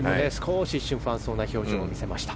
一瞬不安そうな表情を見せました。